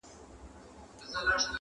نه یې وکړل د آرامي شپې خوبونه؛